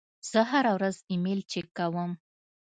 زه هره ورځ ایمیل چک کوم.